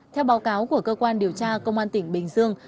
theo báo cáo của cơ quan điều tra công an tỉnh bình dương